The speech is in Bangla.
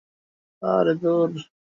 সে বেঁচে আছে কিন্তু মরতে চায়।